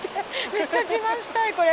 めっちゃ自慢したいこれ。